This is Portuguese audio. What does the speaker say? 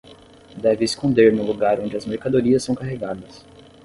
Deve esconder no lugar onde as mercadorias são carregadas